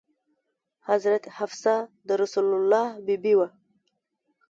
حضرت حفصه د رسول الله بي بي وه.